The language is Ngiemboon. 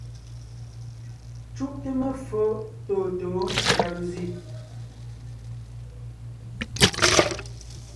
Cúʼte meffo tôtǒ jaluzi.